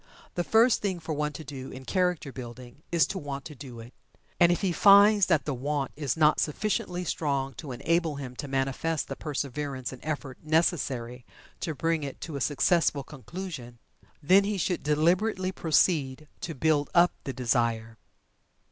The first thing for one to do in character building is to "want to do it." And if he finds that the "want" is not sufficiently strong to enable him to manifest the perseverance and effort necessary to bring it to a successful conclusion, then he should deliberately proceed to "build up the desire."